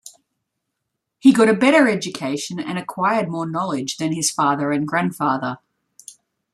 He got a better education and acquired more knowledge than his father and grandfather.